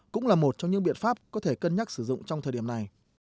cũng là một trong những biện pháp có thể cân nhắc sử dụng trong thời điểm này